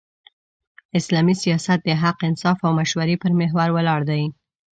اسلامي سیاست د حق، انصاف او مشورې پر محور ولاړ دی.